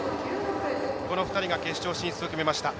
この２人が決勝進出を決めました。